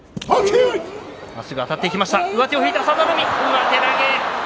上手投げ。